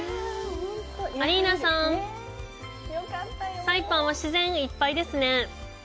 アリーナさん、サイパンは自然いっぱいですね。